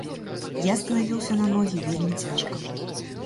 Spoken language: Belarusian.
Я станавіўся на ногі вельмі цяжка.